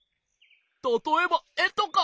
たとえばえとか！